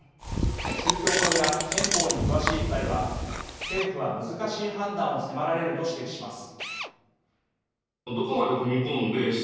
宗教法や憲法に詳しい２人は、政府は難しい判断を迫られると指摘します。